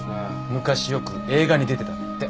昔よく映画に出てたんだって。